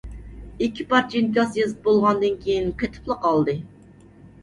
ئىككى پارچە ئىنكاس يېزىپ بولغاندىن كېيىن قېتىپلا قالدى.